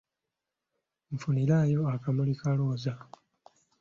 Nfunirayo akamuli ka Looza.